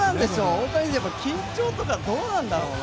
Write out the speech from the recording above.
大谷選手、緊張とかはどうなんでしょうね。